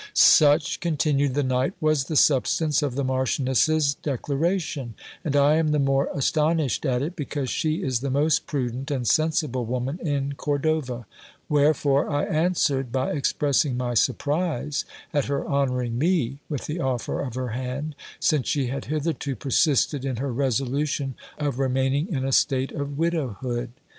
Such, continued the knight, was the substance of the Marchioness's declara tion, and I am the more astonished at it, because she is the most prudent and sensible woman in Cordova ; wherefore I answered by expressing my surprise at her honouring me with the offer of her hand, since she had hitherto persisted in her resolution of remaining in a state of widowhood.